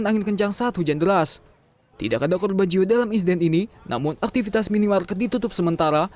namun pintu masuk bagian sisi barat stasiun sempat ditutup sementara